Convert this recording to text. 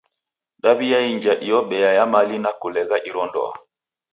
Daw'iainja iyo bea ya mali na kulegha iro ndoa.